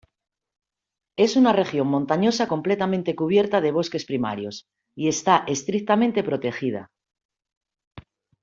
Es una región montañosa completamente cubierta de bosques primarios, y está estrictamente protegida.